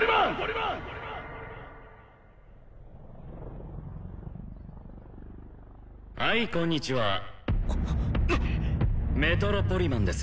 はいこんにちはメトロポリマンです